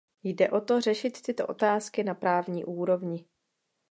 Jde o to řešit tyto otázky na právní úrovni.